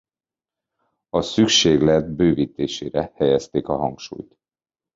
A szükséglet bővítésére helyezték a hangsúlyt.